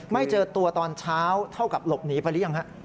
ไม่เจอตัวตอนเช้าเท่ากับหลบหนีไปหรือยังฮะ